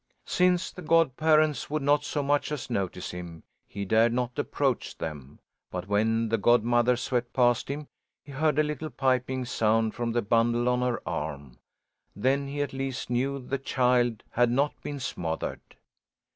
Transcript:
Since the godparents would not so much as notice him, he dared not approach them; but when the godmother swept past him he heard a little piping sound from the bundle on her arm. Then he at least knew the child had not been smothered.